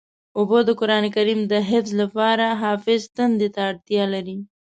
اوبه د قرآن کریم د حفظ لپاره حافظ تندې ته اړتیا لري.